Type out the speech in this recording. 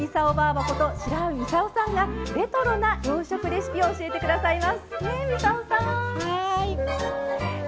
ばこと白井操さんがレトロな洋食レシピを教えてくださいます。